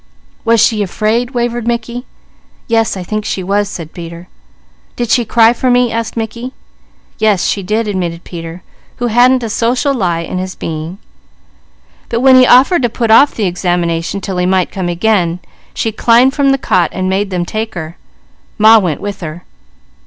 "Was she afraid?" wavered Mickey. "Yes, I think she was," said Peter. "Did she cry for me?" asked Mickey. "Yes she did," admitted Peter, who hadn't a social lie in his being, "but when he offered to put off the examination till he might come again, she climbed from the cot and made him take her. Ma went with her."